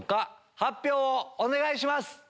発表をお願いします！